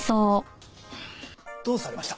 どうされました？